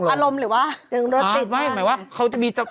อารมณ์หรือว่าเดี๋ยวเขาโดนติดมั้ย